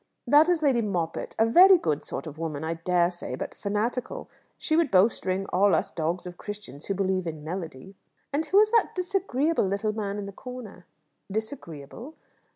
"That is Lady Moppett: a very good sort of woman, I dare say, but fanatical. She would bowstring all us dogs of Christians who believe in melody." "And who is that disagreeable little man in the corner?" "Disagreeable